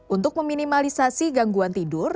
untuk meminimalisasi gangguan tidur